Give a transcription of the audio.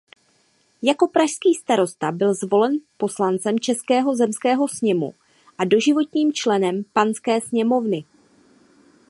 Jako pražský starosta byl zvolen poslancem českého zemského sněmu a doživotním členem panské sněmovny.